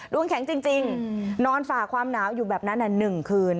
ดวงแข็งจริงนอนฝ่าความหนาวอยู่แบบนั้น๑คืน